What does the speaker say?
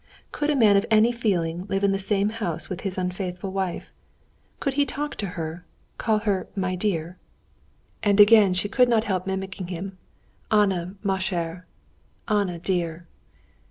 Could a man of any feeling live in the same house with his unfaithful wife? Could he talk to her, call her 'my dear'?" And again she could not help mimicking him: "'Anna, ma chère; Anna, dear!